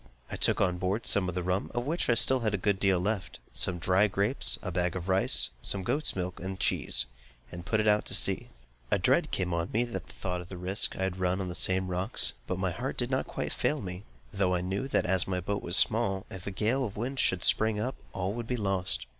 I took on board some rum (of which I still had a good deal left), some dry grapes, a bag of rice, some goat's milk, and cheese, and then put out to sea. A dread came on me at the thought of the risk I had run on the same rocks; but my heart did not quite fail me, though I knew that, as my boat was small, if a gale of wind should spring up, all would be lost.